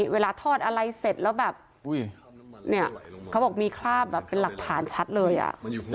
เวลาทอดอะไรเสร็จแล้วแบบเนี่ยเขาบอกมีคราบแบบเป็นหลักฐานชัดเลยอ่ะ